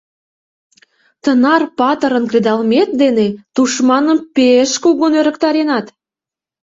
Тынар патырын кредалмет дене тушманым пеш кугун ӧрыктаренат.